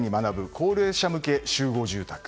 高齢者向け集合住宅。